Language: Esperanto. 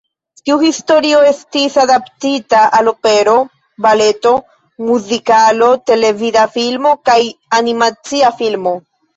Tiu historio estis adaptita al opero, baleto, muzikalo, televida filmo kaj animacia filmo.